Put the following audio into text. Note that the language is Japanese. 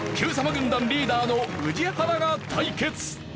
軍団リーダーの宇治原が対決。